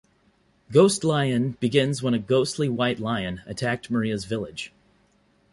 "Ghost Lion" begins when a ghostly White Lion attacked Maria's village.